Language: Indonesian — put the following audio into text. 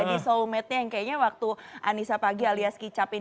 kalau misalnya kalau follow mednya yang kayaknya waktu anissa paggi alias kicap ini